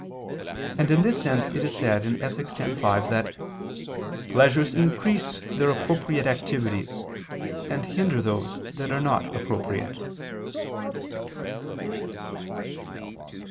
And in this sense it is said in Ethic. x, 5 that "pleasures increase their appropriate activities, and hinder those that are not appropriate."